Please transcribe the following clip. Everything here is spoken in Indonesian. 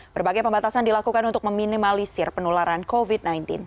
berbagai pembatasan dilakukan untuk meminimalisir penularan covid sembilan belas